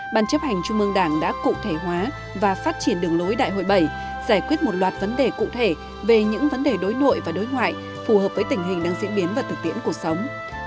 ban chấp hành trung mương đảng đã cụ thể hóa và phát triển đường lối đại hội bảy giải quyết một loạt vấn đề cụ thể về những vấn đề đối nội và đối ngoại phù hợp với tình hình đang diễn biến và thực tiễn cuộc sống